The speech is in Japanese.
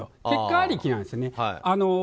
結果ありきなんですよ。